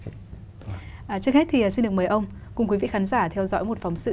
trước hết thì xin được mời ông cùng quý vị khán giả theo dõi một phóng sự